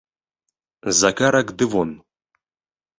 За карак ды вон.